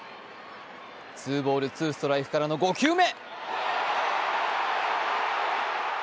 ツーボールツーストライクからの５球目。